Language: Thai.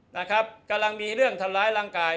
นะครับกำลังมีเรื่องทำร้ายร่างกาย